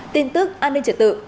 tin tức an ninh trợ tự